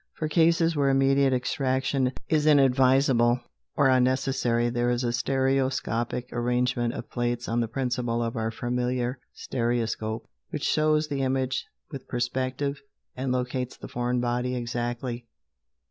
For cases where immediate extraction is inadvisable or unnecessary there is a stereoscopic arrangement of plates on the principle of our familiar stereoscope, which shows an image with perspective and locates the foreign body exactly.